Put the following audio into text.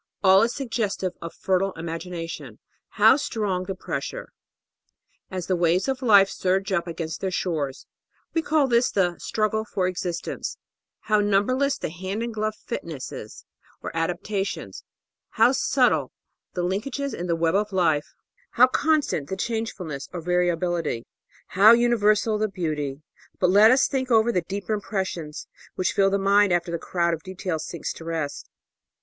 All is suggestive of fertile imagination. How strong the pressure, as the waves of life surge up against their shores we call this the "struggle for existence"; how numberless the hand and glove fitnesses or adaptations; how subtle the linkages in the web of life ; how constant the changef ulness or variability ; how universal the beauty! But let us think over the deeper impressions which fill the mind after the crowd of details sinks to rest.